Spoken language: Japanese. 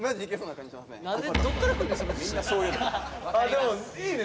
でもいいね！